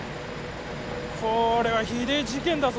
これはひでえ事件だぞ！